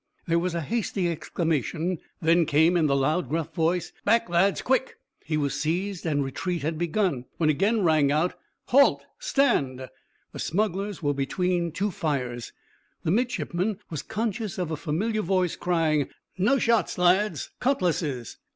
There was a hasty exclamation. Then came in the loud, gruff voice, "Back, lads, quick!" He was seized, and retreat had begun, when again rang out: "Halt stand!" The smugglers were between two fires. The midshipman was conscious of a familiar voice crying, "No shots, lads. Cutlashes!"